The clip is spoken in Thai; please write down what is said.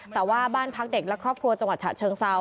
แต่ว่าบ้านพักเด็กและครอบครัวจังหวัดฉะเชิงเซา